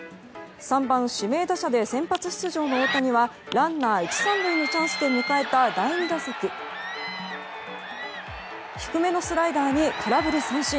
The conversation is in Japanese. ３番指名打者で先発出場の大谷はランナー１、３塁のチャンスで迎えた第２打席低めのスライダーに空振り三振。